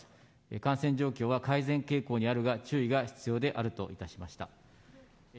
感染状況は改善傾向にあるが、注意が必要であるといたしました。